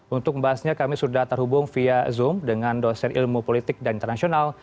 untuk membahasnya kami sudah terhubung via zoom dengan dosen ilmu politik dan internasional